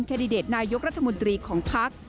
แดดิเดตนายกรัฐมนตรีของพัก